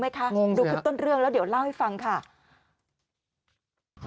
ดูครับต้นเรื่องแล้วเดี๋ยวเล่าให้ฟังค่ะงงสิครับ